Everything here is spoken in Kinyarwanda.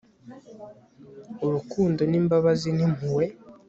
Urukundo nimbabazi nimpuhwe